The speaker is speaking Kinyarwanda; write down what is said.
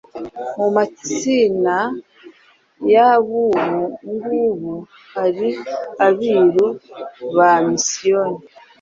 Mu matsina y’ab’ubu ng’ubu hari Abiru ba Misiyoni